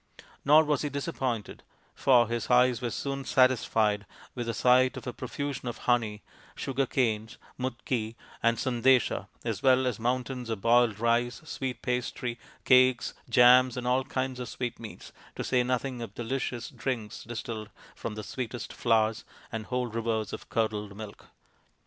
Nor was he disappointed, for his eyes were soon satisfied with the sight of a profusion of honey, sugar canes, mudki, and sandesa, as well as mountains of boiled rice, sweet pastry, cakes, jams, and all kinds of sweetmeats, to say nothing of delicious drinks distilled from the sweetest flowers, and whole rivers of curdled milk.